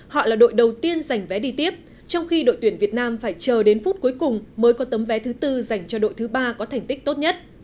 họ là đội đầu tiên giành vé đi tiếp trong khi đội tuyển việt nam phải chờ đến phút cuối cùng mới có tấm vé thứ tư dành cho đội thứ ba có thành tích tốt nhất